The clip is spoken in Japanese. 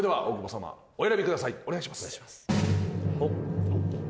お願いします。